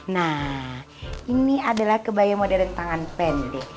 nah ini adalah kebaya modern tangan pendek